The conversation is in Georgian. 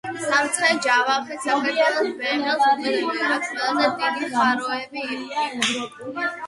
სამცხე-ჯავახეთს საქართველოს ,,ბეღელს'' უწოდებდნენ. აქ ყველაზე დიდი ხაროები იყო